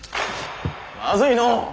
まずいのう。